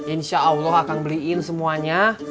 insya allah akan beliin semuanya